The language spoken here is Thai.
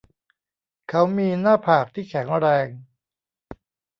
เขามีหน้าผากที่แข็งแรง